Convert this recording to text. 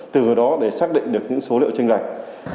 từ đó để xác định được những số liệu trên gạch